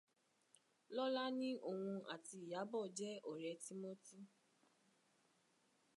Lọ́la ní òun àti Ìyábọ̀ jẹ́ ọ̀rẹ́ tímọ́tí.